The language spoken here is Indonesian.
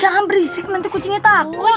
jangan berisik nanti kucingnya tangan